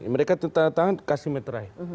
mereka tanda tangan kasih metrai